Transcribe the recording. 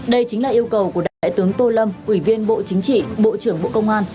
đây chính là yêu cầu của đại tướng tô lâm ủy viên bộ chính trị bộ trưởng bộ công an